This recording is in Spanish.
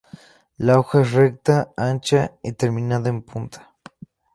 La hoja es recta, ancha y terminada en punta.